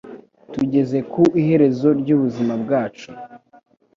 tugeze ku iherezo ry'ubuzima bwacu